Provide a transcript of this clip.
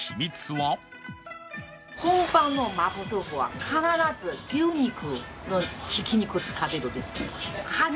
本場の麻婆豆腐は必ず牛肉の挽き肉を使ってるんです。